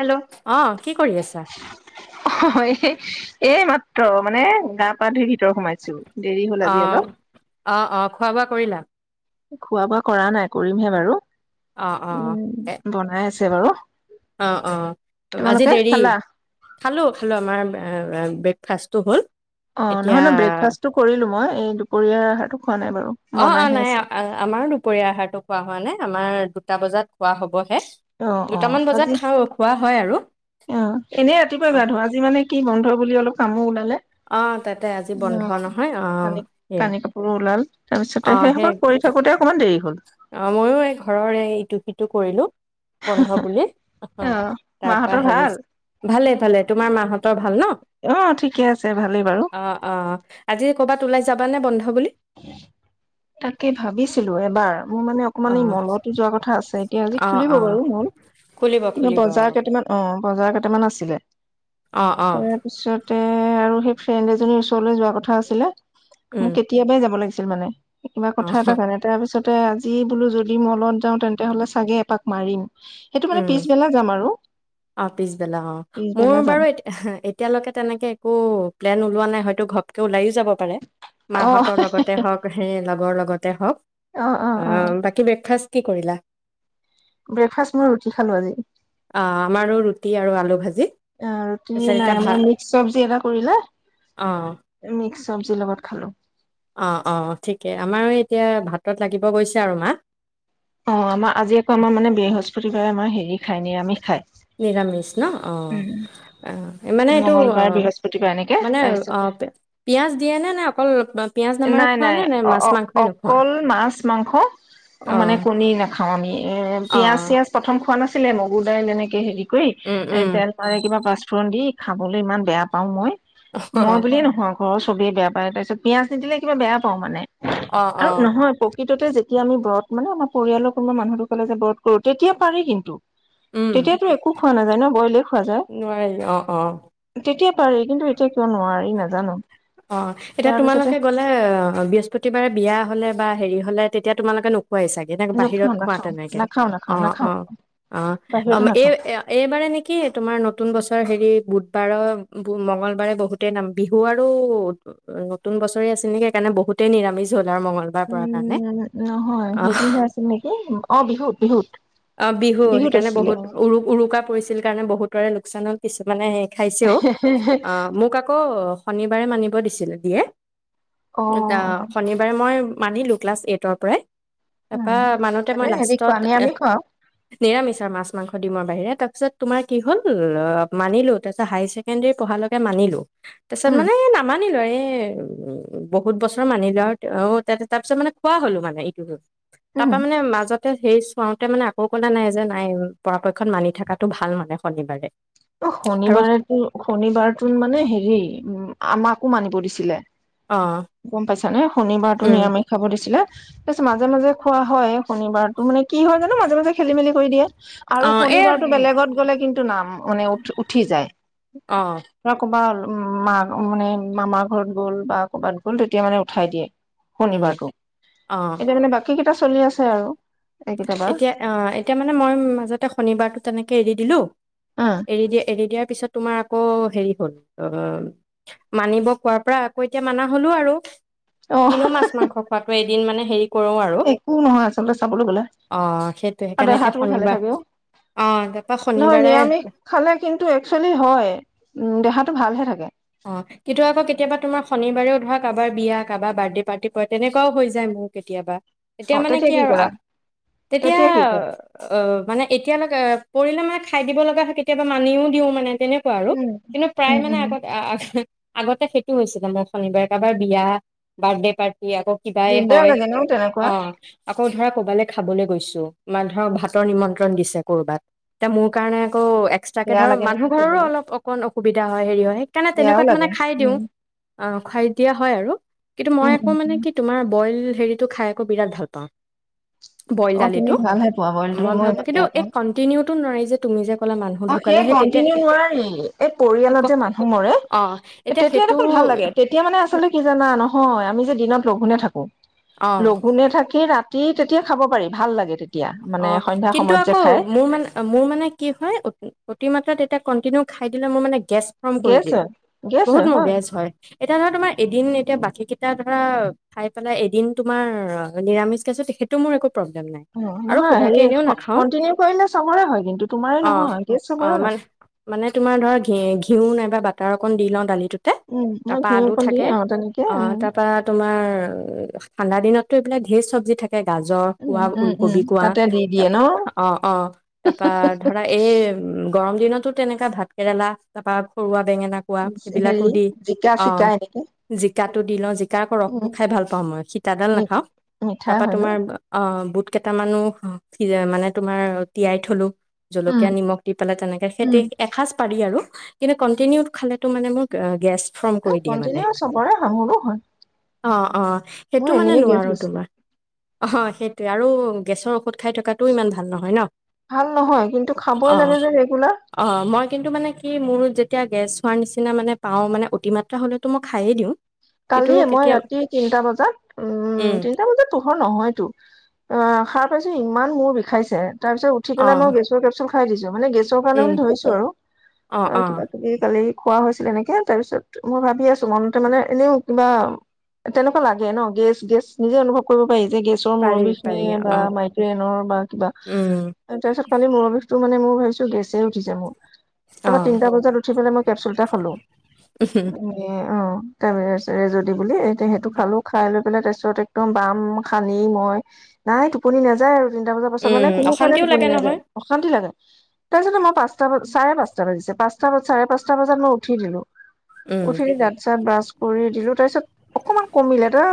Hello অ কি কৰি আছা? অহু এই মাত্ৰ মানে গা পা ধুই ভিতৰ সোমাইছো দেৰি হ'ল অ আজি অলপ অ অ খোৱা বোৱা কৰিলা খোৱা বোৱা কৰা নাই কৰিমহে বাৰু অ অ এ কেইবাৰো অ অ আজি দেৰি খালো খালো আমাৰ ফাঁচটো হ'ল অ এতিয়া নহয় নহ ব্ৰেকফাষ্টটো কৰিলো মই এই দুপৰীয়া অ অ নাই আমাৰো দুপৰীয়া আহাৰতো খোৱা হোৱা নাই আমাৰ এটা বজাত খোৱা হ'ব অ অ আজি হয় আৰু অ এনেই ৰাতিপুৱা গা ধোৱা আজি মানে কি বন্ধ বুলি অলপ কামো ওলালে আহ তাতে আজি অ বন্ধ নহয় অ কানি সেইয়াই কানি কাপোৰো ওলাল তাৰপিছতে সেই সোপা কৰি থাকোঁতে অকমান দেৰি হ'ল অ ময়ো এই ঘৰৰ এইটো এইটো কৰিলো বন্ধ বুলি অ তাৰ পৰা মাহঁতৰ হেৰি ভাল ভালে ভালে তোমাৰ মা হঁতৰ ভাল- ভাল ন'। অ ঠিকে আছে ভালেই বাৰু অ' অ' আজি ক'বাত ওলাই যাবানে বন্ধ বুলি? তাকে ভাবিছিলো এবাৰ। মোৰ মানে অকমান এই অ', মলতো যোৱা কথা আছে এতিয়া আজি অ', খুলিব অ', বাৰু মল, খুলিব কিন্তু খুলিব বজাৰ অ', কেইটামান অ বজাৰ কেইটামান আছিলে। অ', অ', তাৰপিছতে এ আৰু সেই ফ্ৰেণ্ড এজনীৰ ওচৰলৈ যোৱা কথা আছিলে। উম। একেবাই যাব লাগিছিল মানে এ কিবা কথা অ', এটা কাৰণে তাৰপিছত তে আজি বোলো যদি ম'লত যাওঁ তেন্তে হ'লে চাগে এপাক মাৰিম সেইটো মানে উম, পিছবেলা যাম আৰু অ' পিছবেলা অ', পিছবেলা মোৰ যাম বাৰু এতি এতিয়ালৈকে তেনেকে একো প্লেন ওলোৱা নাই নাই হয়টো ঘবকে ওলাইও যাব পাৰে, অ মাহঁতৰ লগতে হক হে লগৰ লগতে হক, অ অ অ বাকী ব্ৰেকফাষ্ট কি কৰিলা? ব্ৰেকফাষ্ট মই ৰুটি খালোঁ আজি। অ', আমাৰো ৰুটি আৰু আলু ভাজি ৰুটি তাৰপিছত এতিয়া নাই ভাত আমাৰ মিক্স চবজি এটা কৰিলে অ', মিক্স চব্জি লগত খালো। অ অ ঠিকে আমাৰ এতিয়া ভাতত লাগিব গৈছে আৰু মা অ' আমাৰ আজি আকৌ আমাৰ মানে বৃহস্পতিবাৰে আমাৰ হেৰি খাই নিৰামিষ খাই নিৰামিষ ন অ' মানে এইটো মংগলবাৰ বৃহস্পতিবাৰ এনেকে মানে তাৰপিছতে পিঁয়াজ দিয়ে নে নে অকল পিঁয়াজ নামাৰে নাই খোৱা নাই নে, নে অ মাছ অ মাংসই নোখোৱা অকল মাছ মাংস অ। মানে কণী নাখাওঁ আমি এ অ পিয়াঁজ-চিয়াঁজ প্ৰথম খোৱা নাছিল আছিলে মগু দাইল এনেকে হেৰি [unintelligible] উম এ উম তেল মাৰে কিবা [inaudible] [unintelligible] দি খাবলৈ ইমান বেয়া পাওঁ মই। অ মই বুলিয়ে নহওক অ' ছবেই বেয়া পাই, তাৰপিছত পিঁয়জ নিদিলে কিবা বেয়া পাওঁ মানে অ অ আৰু নহয় প প্ৰকৃততে যেতিয়া আমি ব্ৰত মানে আমাৰ পৰিয়ালৰ কোনোবা মানুহ ঢুকালে যে ব্ৰত কৰো তেতিয়া পাৰি কিন্তু। উম তেতিয়াতো একো খোৱা নাযায় ন' বইলে খোৱা যায় অ অ তেতিয়া পাৰি কিন্তু এতিয়া কিয় নোৱাৰি নাজানো অ এতিয়া তাৰপিছতে তোমালোকে গলে অ বৃহস্পতিবাৰে বিয়া হলে বা হেৰি হলে তেতিয়া তোমালে খুৱাই চাগে বাহিৰত নাখাও খোৱা নাখাও তেনেকে নাখাও নাখাও অ নাখাও অ অ বাহিৰতো এই নাখাও এইবাৰ নেকি তোমাৰ নতুন বছৰ হেৰি বু বাৰ মংগলবাৰে বহুতেই নাম বিহু আৰু নতু ব নে বৰা মঙগলবাৰ পৰা কাৰণে উম নহয় আহ হেৰি হৈ আছিল নেকি অ বিহুত বিহুত অ বিহু বিহুত সেইকাৰণে আছিলে বহুত উ উৰুকা পৰিছিল কাৰণে বহুত কৰে লোকচান হল কিছুমানে আহে খাইছে অ অ মোক আকৌ শনিবাৰে মানিব দিছিলে দিয়ে অ এটায়া শনিবাৰে মই মানিলো ক্লাছ এইটৰ পৰাই তাৰপা উম মানুহতে মানে মই হেৰি লাষ্টত খোৱা এ নিৰামিষ খোৱাও নিৰামিষ আৰু মাছ মাংস দিম আৰু বাহিৰে তাৰ পিছত তোমাৰ কি হল মানিলো তাৰপিছত হায়াৰ ছেকেণ্ডৰী পঢ়ালৈকে মানিলো তাৰিছত উম মে নামানিলো এই উ বহুত বছৰ মানিলো আৰু অ তা তাৰ পিছত মানে খোৱা হলো মানে ইটো তাৰ উম পৰা মানে মাজত এ সেই চোৱাাওতে মানে আকৌ কল নাই যে নাই পৰাপক্ষত মানি থকাাতটো ভাল মানে শনিবাৰে অ আৰু শনিবাৰেতো শনিবাৰটো মানে হেৰি উ আমাকো মানিব দিছিলে অ গম পাইছ নে শনিবাৰতো উম নিৰামিষ খাব দিছিলে তাৰ পিছত মাজে মাজে খোৱা হয় শনিবাৰতো মানে কি হয় জানো মাজে মাজে খেলি মেলি কৰি দিয়ে আৰু অ এই শনিবাৰতটো বেলেগত গ'লে কিন্তু নাম মান উঠ উঠি যায় অ ৰক ভাল উ মা মানে মামাৰ ঘৰত গ'ল বা কৰ'বাত গ'ল তেতিয়া মানে উঠাই দিয়ে উম শনিবাৰটো অ এতিয়া মানে বাকী কেইটা চলি আছে আৰু এইকেইটা বাৰ এতিয়া আহ এতিয়া মানে মই মাজতে শনিবাৰতো তেনেকে এৰি দিলো উম, এৰি দিয়া এৰি দিয়াৰ পিছত তোমাৰ আকৌ হেৰি হ'ল অ মানিব কোৱাৰ পৰা আকৌ এতিয়া মানা হলো আৰু অ কিনো মাছ মাংস খোৱাাতোৱে দিন মানে হেৰি কৰো আৰু একো নহয় আচলতে চাব অ সেইটোৱে সেইকাৰণে এতিয়া দেহাটো ভালে শনিবাৰ থাকে অ তাৰপা নহয় শনিবাৰে নিৰামিষ খালে কিন্তু একুৱেলি হয় উ দেহাটো ভালহে থাকে অ কিন্তু আকৌ কেতিয়াবা তোমাৰ শনিবাৰেও ধৰা কাৰোবাৰ বিয়া কাৰবাৰ বাৰ্থডে পাৰ্টি কৰা তেনেকুৱাও হৈ যায় মোৰ কেতিয়াবা অ এতিয়া মানে তেতিয়া কি আৰু কৰা তেতিয়া কি কৰা অ মানে এতিয়ালৈকে পৰিলে মানে খাই দিব লগা হয় কেতিয়াবা মানিও দিও মানে তেনেকুৱা আৰু উম, কিন্তু প্ৰায় উম, মানে উম, আগত আগতে সেইটো হৈছিলে মই শনিবাৰে কাৰোবাৰ বিয়া বাৰ্থডে পাৰ্টি আকৌ কিবাই দিগদাৰ হয় লাগে ন তেনেকুৱা অ আকৌ ধৰা কবালে খাবলৈ গৈছো মানে ধৰক ভাতৰ নিমন্ত্ৰণ দিছে কৰবাত এয়া মোৰ কাৰণে আকৌ এক্সট্ৰাকে বেয়া ধৰক লাগে মানুহ নহয় ঘৰৰো কবলৈ অল অকণ সুবিধা হয় হেৰি হয় সকাৰণে বেয়াও তেনেকুৱাত মানে লাগে খাই দিওঁ উম, অ খাই দিয়া হয় আৰু কিন্তু মই উম, একো উম, মানে উম, কি তোমাৰ বইল হেৰিটো খাই আকো বিৰাট ভাল পাওঁ বইল অ', তুমি দালিটো ভালহে পোৱা বইলটো মই ইমান বেয়া পাওঁ নোৱাৰি যে তুমি যে ক'লা মানুহ অ ঢুকালে সেই তেতিয়া কন্টিনিউ নোৱাৰি এই পৰিয়ালত যে এক- মানুহ সোমৰে অ' এতিয়া তেতিয়া সেইটো দেখোন ভাল লাগে তেতিয়া মানে আচলতে কি জানা নহয় আমি যে দিনত লঘোনে থাকো অ' লঘোনেে থাকি ৰা তেতিয়া খাব পাৰি ভাল লাগে তে অ কিন্তু আকৌ মোৰ মানে মোৰ মানে কি হয় অ মাত্ৰাত তেতিয়া কন্টিনিউ খাই দিলে মোৰ মানে গেছ ফম কৰি গেছ দিয়ে হয়, গেছ বহুত হয়, মগেজ হয় এতিয়া ধ তোমাৰ এদিন এতিয়া বাকী কেইটা ধৰা খাই পেলাই এদিন তোমাৰ নিৰামিষ গেছো তেখেইটো মোৰ একো প্ৰব্লেম নাই অ', আৰু নহয় হেৰি সুধাকে এনেও নাখাওঁ কন্টিনউ কৰিলে চহৰে হয় কিন্তু তোমাৰে অ নহয় কে অ চহৰে হয় মানে মানে তোমাৰ ধৰা ঘি ঘিউ নাইবা বাটাৰ অক দি লওঁ দালি উম ন তাপা ঘিউ আলো অকণ দিয়ে থাকে অ তেনেকে অঁ উম তাপা তোমাৰ ঠাডা দিনতো এইিল ধেৰ চবজি থে গাজৰ উম খোৱা উ উম উম কবি কোৱা, তাতে দি দিয়ে তাৰপা ন অ- অ, তাৰপা ধৰা এই গৰম দিনত তো তেনেকা ভাত কেৰেলা, তাৰপা পৰুৱা বেঙেনা কোৱা, এইবিলাকো হেৰি দি, জিকা অ', চিকা এনেকে জিকাটো দি লওঁ, জিকা‌‌ আকৌ ৰসটো উম খাই ভাল পাওঁ মই, সিটাগাল মি নাখাওঁ। মিঠা তাৰপা হয় ন তোমাৰ অ'--বুত কেইটামানো [unintelligible] মানে তোমাৰ তিয়াই থলো উম জলকীয়া নিমখ দি পেলাই তেনেকে সেই তে উম এসাঁজ খ ম কণ্টিনিউ চবৰে হয় মোৰো হয় অ'-অ। ম ন গিয়ছো অ হয় সেইটোৱে আৰু গেছৰ ঔষধ খাই থকাটোও ইমান ভাল নহয় ন? ভাল নহয়, কিন্তু খাবই অ' লাগে যে ৰেগুলাৰ। অ' মই কিন্তু মানে কি মোৰ যেতিয়া গেছ হোৱাৰ নিচিনা মানে পাওঁ মানে অতিমাত্ৰা হ'লেতো মই খায়েই দিওঁ কিন্তু কালিয়ে মই কেতিয়া ৰাতি তিনটা বজাত, উম তিনটা বজাত পোহৰ নহয়তো, অ' সাৰ পাইছো ইমান মূৰ বিষাইছে তাৰ পিছত উঠি পেলাই মই অ' গেছৰ কেপচুল [inaudible] মানে গেছৰ কাৰণে উম বুলি ধৰিছোঁ আৰু। অ' এ অ' কিবা কিবি কালি খোৱা হৈছিল এনেকে তাৰপিছত মই ভাবি আছো মনতে মানে এনেও কিবা তেনেকুৱা লাগে ন গেছ গেছ নিজে অনুভৱ কৰিব পাৰি গেছৰ মুৰৰ পাৰি বিষ পাৰি খিনিয়ে বা অ' মাইগ্ৰেইনৰ বা কিবা উম তাৰপিছত খালী মূৰৰ বিষটো মানে মোৰ, মই ভাবিছোঁ গেছেই উঠিছে মোৰ। তাৰপৰা তিনটা অ' বজাত উঠি পেলাই মই কেপচুলটা খালো অ তৰে যদি বুলি তেহেইতটো খালো খাই লৈ পেলাই তাৰপিছত একদম বাম সানি মই নাই টোপনি নাযায় আৰু তিনিটা বজাৰ পাছত‌ উম, মানে কোনো কাৰণে অশান্তিও লাগে টোপনি নাযায় নহয়। অশান্তি‌ লাগে। তাৰ পিছত মই পাঁচটা চাৰে পাঁচটা বাজিছে পাঁচটা চাৰে পাঁচটা বজাত মই উঠি দিলো উম, উঠি দাঁত চাত ব্ৰাছ কৰি দিলো তাৰপিছত অকমান কমিলে তাৰ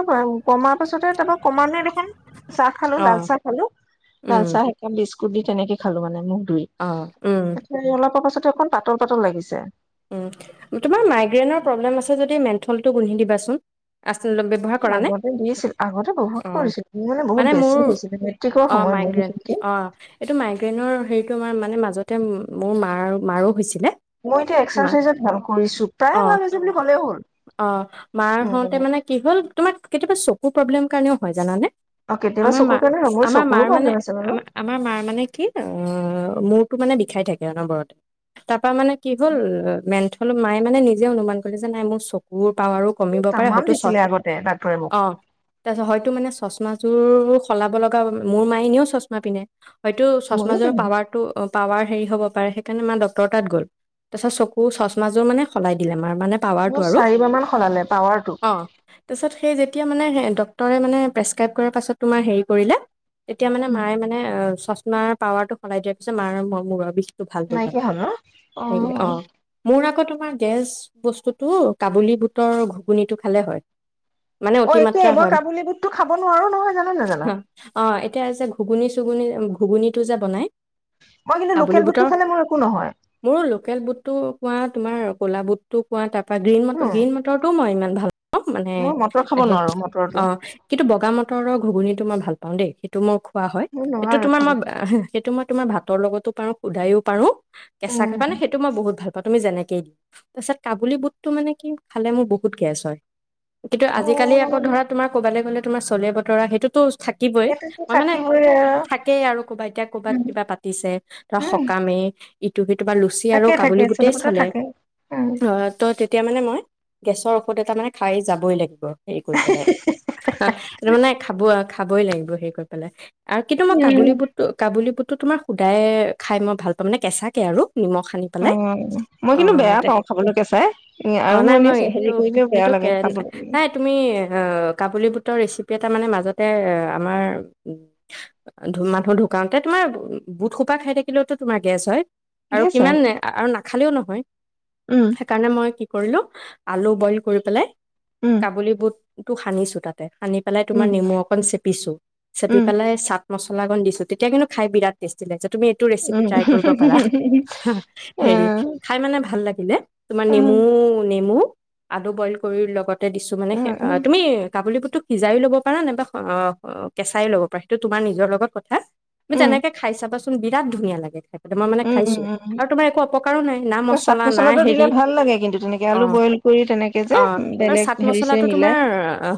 কমাৰ পাছতে তাৰপা কমা নাই দেখোন চাহ খালো, লাল অ', চাহ খালো লাল উম, চাহ একাপ [unintelligible] বিস্ুট দি তেনেকে খালো মানে মই অ', উম, [unintelligible] এখন পাতল পাতল লাগিছে উম, তোমাৰ মাইগ্ৰেণৰ প্ৰব্লেম আছে যদি মেন্থলটো গোন্ধি দিবাচোন‌ [unintelligible] আগতে দিছিল আগতে বহুত অ', কৰিছিল মোৰ মানে বহুত বেছি হৈছিল মেট্ৰিকৰ অ', সময়ত মোৰ মাইগ্ৰেইন বিশষকে মাৰ মানে মাজতে মোৰ মাৰ মাৰো হৈছিলে মই এতিয়া মা এক্সাৰচাইজত ভাল কৰিছো প্ৰায়ে অ', ভাল হৈছে বুলি কলেও হ'ল উ তোমাক কেতিয়াবা চকু প্ৰব্লেম কাৰণেও হয় জানে অ কেতিয়াবা আমাৰ মা চকুৰ কাৰণে হয়, মোৰ আমাৰ চকুৰো মাৰ মানে প্ৰব্লেম আছে বাৰু আাৰ আমাৰ মাৰ মানে কি অ মূৰটো মানে বিষাই থাকে অনবৰতে তাৰ পৰাা মানে কি হ'ল অ মেন্থ অলপ মায়ে মানে নিজে অনুমান কৰিলে যে নাই মোৰ চকুৰ পাৱাৰো কমিব পাৰে তামাম হয়টো চশ দিছিলে আগতে ডাক্তৰে মোক অ হয়টো মানে চশমা উ উ সলাব লগা মোৰ মায়ে এনেও চশমা পিন্ধে হয়তো ময়ো চশমাৰজোৰৰ পিন্ধিম পাৱাৰটো অ পাৱাৰ হেৰি হ'ব পাৰে সেই কাৰনে মা ডক্তৰ তাত গ'ল তা চত চকু তো চশমা যোৰ মানে সলাই দিলেম মা মানে পাৱাৰ টো মোৰ আৰু চাৰিবাৰ মান সলালে পাৱাৰটো মানে এ ডক্তৰে মানে প্ৰেছকাইব কৰা পিছত মানে হেৰি কৰিলে এতিয়া মানে মায়ে মানে অ চশমাৰ পাৱাৰ টো সলাই দিয়াৰ পিছত মাৰ মূৰৰ বিষ নাইকিয়া হ'ল ন অ মোৰ আকৌ তোমাৰ গেজ বস্তুটো কাবুলী বুটৰ ঘুগুনিটো খালে হয় মানে অ এইটোয়ে অতিমাত্ৰা মই কাবুলী বুটটো খাব নোৱাৰো নহয় জানা নাজানা হয় অ এতিয়া যে ঘুগুন ঘুগুনিটো যে বনাই মই কিন্তু কাবুলী লোকেল বুটৰ গোটটো খালে মোৰ একো নহয় মোৰো লোকেল বুটটো কোৱা তোমাৰ কলা বুটতো কোৱা তাৰ বা গ্ৰীণ ম উম গ্ৰীণ মটৰটোমই ইমান অ মানে মই মটৰ খাব সেষ নোৱাৰো মটৰটো অ কিন্তু বগা মটৰৰ ঘুগুনটো মই ভাল পাওঁ অ দেই সেইটো মোক খোৱা হয় মই সেইটো নোৱাৰো তোমাৰ খাব মই সেইটো মই তোমাৰ ভাত ভাতৰ লগতো পাৰো সুদায়ো পাৰো কেঁচা উম খাবা নে সেইটো মই বহুত তুমি যেনেকে দিম তাৰ পিছত কাবুলি বুটতটো মানে কি খালে মোৰ বহুত গেছ হয় কিন্তু অ আজিকালি আকৌ ধৰা তোমাৰ ক'বাললে গ'লে তোমাৰ চলে বতৰা সেইটোতো থাকিবই সেইটোতো ম মানে থাকিবই আৰু থাকেই আৰু ক'বাত এতিয়া কৰ'বাত উম কিবা পাতিছে ধৰা উম সকামেই ইটো কিবা লুচি আৰু থাকে থাকে চোলা গোটেই বুটৰ চলে থাকে উম অ ত তেতিয়া মানে মই গেছৰ ঔষধ এটা মানে খাই যাবই লাগিব হেৰি কৰি পেলাই সেইটো মানে খাব আও খাবই লাগিব সেই কৈ পেলাই আৰু কিন্তু মই কাবুলী বুটটো কাবুল বুট তো তোমাৰ শুদায় খাই মই ভাল পাম কেঁচাকে আৰু সানি অ পেলাই মই কিন্তু অ' বেয়া দে পাওঁ খাবলৈকে চাই অ' আৰু নাই মোৰ মই এনেই সেইটো হেৰি কৰিলেও বেয়া সেইটো কে লাগে খাবলৈ ত ৰেচিপি এটা মানে মাজতে আমাৰ মানুহ ঢুকাওতে তোমাৰ বুটসোপা খাই থাকিলেওতো তোমাৰ গেছ হয় আৰু গেছ কিমান হয় নে- আৰু নাখালেও নহয় উম সেইকাৰণে মই কি কৰিলো আলু বইল কৰি পেলাই উম কাবুলী বুট টো সানিছো তাত সানি পেলাই তোমাৰ উম নেমু অকন চেপিছো চেপি পেলাই চা মছলা গণ দিছো তেতিয়া কিন্তু খাই বিৰাট টেষ্টি লাগে তুমি এইটো ৰেচিপি উম উম ট্ৰাই কৰিব পাৰা হু হা উম হেৰি খাই মানে ভাল লাগিলে তোমাৰ উম নেমু উম নেমু আলু বইল কৰি লগত দিছো মানে উম উম তুমি কাবুলী বুট বুটতো সিজাইও লব পাৰা নাইবা অ কেঁচাইও ল'ব পাৰা সেইটো তোমাৰ নিজৰ লগত কথা তুমি উম তেনেকে খাই চাবা বিৰাট ধুনীয়া লাগে খাই মই মানে উম খাইছো উম উম আৰু তোমাৰ একো অপকাৰো নাই না চাট মছলা না মছলাটো হেৰি দিলে ভাল লাগে কিন্তু তেনেকে অ আলু বইল কৰি তেনেকে যে অ আৰু বেলেগ চাট হেৰি চেৰি মছলাটো মিলাই তোমাৰ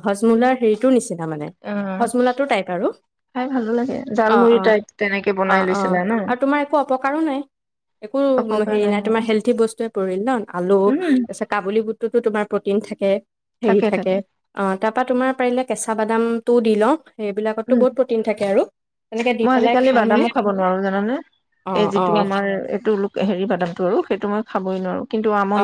হজমলাৰ হেৰিটোৰ নিচিনা মানে অ হজমলা টো টাইপ আৰু খাই ভালো লাগে অ জালমুড়ি অ টাইপ তেনেকে অ বনাই অ লৈছিলা ন আৰু তোমাৰ একো অপকাৰো নাই একো অপকাৰ হেৰি নাই অ তোমাৰ হেল্থি বস্তুে পৰিল ন আলু উম তাৰপিছত কাবুলী বুট তোমাৰ প্ৰটিন থাকে হেৰি থাকে অ তাপা তোমাৰ কেঁচা বাদাম টো দি লও উম তেনেকে দি মই পেলাই আজিকালি খাওঁ মানে বাদামো খাব নোৱাৰো জানানে অ এই অ যিটো আমাৰ এইটো হেৰি বাদানটো আৰু সেইটো মই খাবই নোৱাৰোঁ অ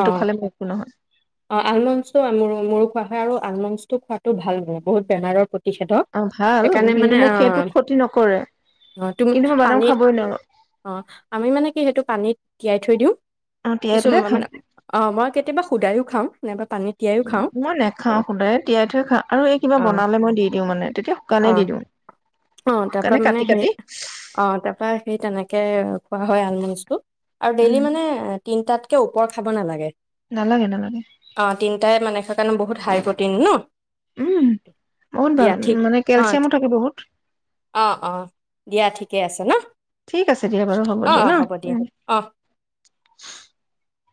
অ আলম চো ম মোৰ খোৱাহে আৰু আলমণ্ড টো খোৱাো ভাল নহ বহুত বেনাৰৰ প্ৰতি [unintelligible] স অ ভাল কিন্তু মোক সেইটো মান ক্ষতি নকৰে ত কিন্তু মই বাদাম খাবই নোৱাৰো প আমি মানে কি থৈ দিওঁ আহ তিয়াই কিছু পেলাই মানে খাাম অ মই কেতিয়াবা সুদায়ো খাম নাইবা পানীত তিয়াইও উ খাওঁ মই নেখাও সুদায় তিয়াই থৈ খা আৰু এই কিবা অ বনালে মই দি দিওঁ মানে তেতিয়া শুকানে অ দি দিওঁ অ তাৰপা শুকানে মানে কাটি সেই কাটি অ তাৰপা সেই তেনেকে খোৱা হয় আলমণ্ডছটো আৰু উম ডেইলি মানে তিনটাত ৰত খাব নালাগে নালাগে নালাগে অ তিনটাই মানে স কাৰণে বহুত হাই প্ৰটিন ন উম বহুত ভাল দিয়া ঠিক মানে অ কেলচিয়ামো থাকে বহুত অ অ দিয়া ঠিকে আছে না ঠিক আছে দিয়া বাৰু হ'ব দিয়া ন উ অ